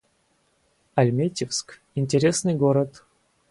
Альметьевск — интересный город